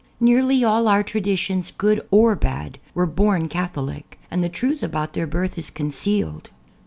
Nearly all our traditions, good or bad, were born Catholic, and the truth about their birth is concealed.